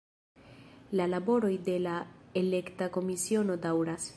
La laboroj de la Elekta Komisiono daŭras.